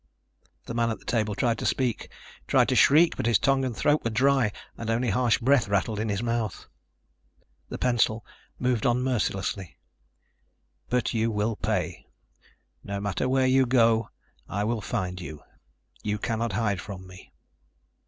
The man at the table tried to speak, tried to shriek, but his tongue and throat were dry and only harsh breath rattled in his mouth. The pencil moved on mercilessly: But you will pay. No matter where you go, I will find you. You cannot hide from me.